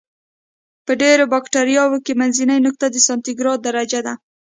په ډېری بکټریاوو کې منځنۍ نقطه د سانتي ګراد درجه ده.